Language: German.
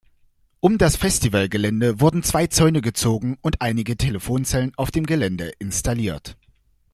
Um das Festivalgelände wurden zwei Zäune gezogen und einige Telefonzellen auf dem Gelände installiert.